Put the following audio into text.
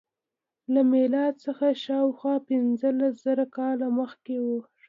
له میلاد څخه شاوخوا پنځلس زره کاله مخکې و.